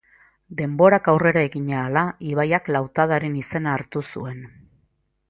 Denborak aurrera egin ahala ibaiak lautadaren izena hartu zuen.